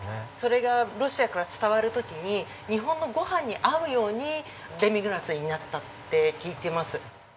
それがロシアから伝わる時に日本のご飯に合うようにデミグラスになったって聞いてます。